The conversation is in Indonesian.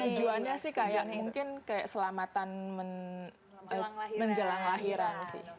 tujuannya sih kayak mungkin kayak selamatan menjelang lahiran sih